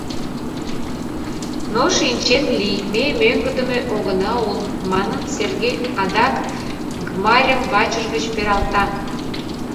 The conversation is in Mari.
Но шинчен лий, ме мӧҥгыдымӧ огына ул, — манын, Сергей адак Гмарьым вачыж гыч пералта.